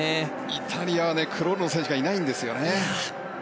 イタリアはクロールの選手がいないんですよね。